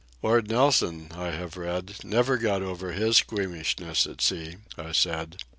"Lord Nelson, I have read, never got over his squeamishness at sea," I said.